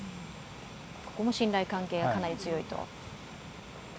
ここも信頼関係はかなり強いと。